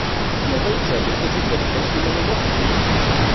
Tzemreḍ i yi-d-tesɛeddiḍ tajilbant, a Sliman U Muḥ?